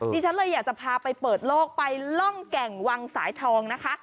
ดิฉันเลยอยากจะพาไปเปิดโลกไปล่องแก่งวังสายทองนะคะ